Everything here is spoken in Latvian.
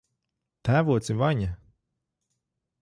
Tēvoci Vaņa!